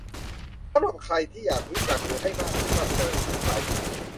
สำหรับใครที่อยากรู้จัก หรือ ให้มากขึ้น ว่าเธอคือใคร